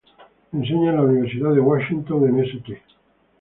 Enseña en la Universidad de Washington en St.